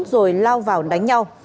rồi lao vào đánh nhau